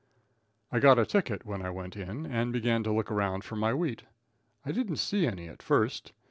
] I got a ticket when I went in, and began to look around for my wheat. I didn't see any at first.